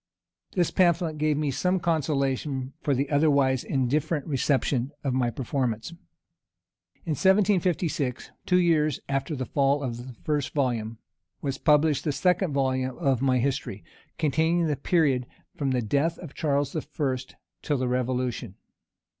This pamphlet gave me some consolation for the otherwise indifferent reception of my performance. In 1756, two years after the fall of the first volume, was published the second volume of my history, containing the period from the death of Charles I. till the revolution.